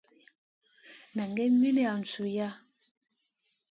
Nan gai min lawn suiʼa.